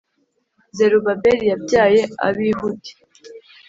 Zerubabeli yabyaye Abihudi